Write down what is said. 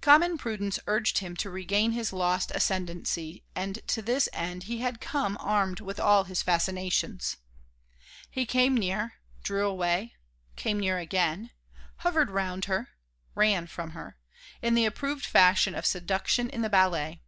Common prudence urged him to regain his lost ascendancy and to this end he had come armed with all his fascinations. He came near, drew away, came near again, hovered round her, ran from her, in the approved fashion of seduction in the ballet.